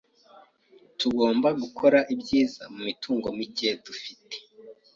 Tugomba gukora ibyiza mumitungo mike dufite.